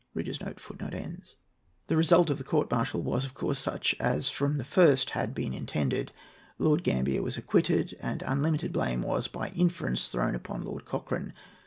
] The result of the court martial was, of course, such as from the first had been intended. Lord Grambier was acquitted, and unlimited blame was, by inference, thrown upon Lord Cochrane.